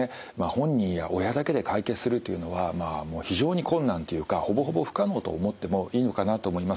本人や親だけで解決するっていうのはまあもう非常に困難っていうかほぼほぼ不可能と思ってもいいのかなと思います。